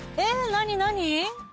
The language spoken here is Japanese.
何何？